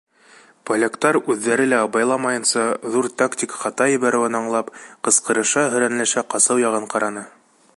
Поляктар, үҙҙәре лә абайламайынса, ҙур тактик хата ебәреүен аңлап, ҡысҡырыша-һөрәнләшә ҡасыу яғын ҡараны.